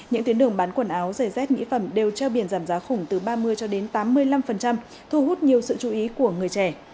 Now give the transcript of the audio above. những tuyến đường bán quần áo giày dép mỹ phẩm đều treo biển giảm giá khủng từ ba mươi cho đến tám mươi năm thu hút nhiều sự chú ý của người trẻ